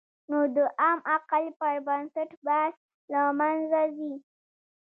نو د عام عقل پر بنسټ بحث له منځه ځي.